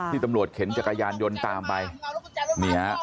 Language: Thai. ที่ตำรวจเข็นจักรยานยนต์ตามไป